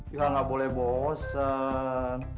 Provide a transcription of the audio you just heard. ya gak boleh bosen